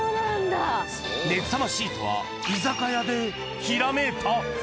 熱さまシートは居酒屋でひらめいた。